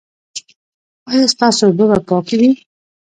ایا ستاسو اوبه به پاکې وي؟